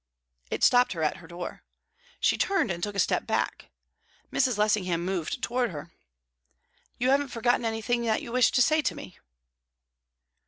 It stopped her at her door. She turned, and took a step back. Mrs. Lessingham moved towards her. "You haven't forgotten anything that you wished to say to me?"